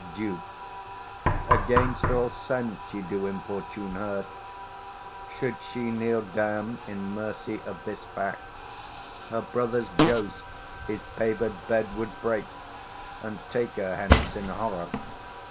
430 Duke. Against all sense you do importune her: Should she kneel down in mercy of this fact, Her brother's ghost his paved bed would break, And take her hence in horror.